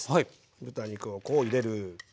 豚肉をこう入れる。